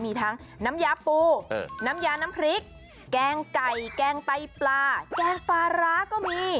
มีทั้งน้ำยาปูน้ำยาน้ำพริกแกงไก่แกงไตปลาแกงปลาร้าก็มี